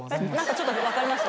ちょっとわかりました。